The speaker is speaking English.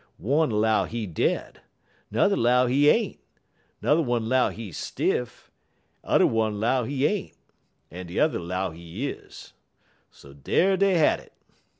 One 'low he dead, 'n'er one 'low he ain't, 'n'er one 'low he stiff, udder one 'low he ain't, en t'udder 'low he is. So dar dey had it.